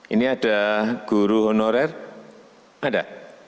ini ada guru honorer ada